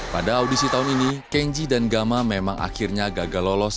pada audisi tahun ini kenji dan gama memang akhirnya gagal lolos